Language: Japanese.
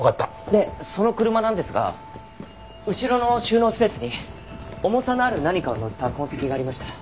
でその車なんですが後ろの収納スペースに重さのある何かを載せた痕跡がありました。